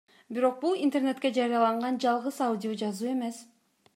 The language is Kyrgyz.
Бирок бул интернетке жарыяланган жалгыз аудиожазуу эмес.